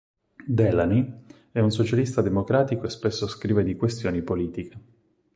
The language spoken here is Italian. Delaney è un socialista democratico e spesso scrive di questioni politiche.